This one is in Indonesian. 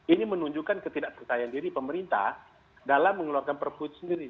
ini menunjukkan ketidakpercayaan diri pemerintah dalam mengeluarkan perpu itu sendiri